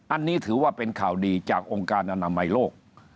อันนี้ถือว่าเป็นข่าวดีจากองค์การอนามัยโลก